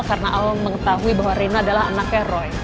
karena al mengetahui rina adalah anaknya roy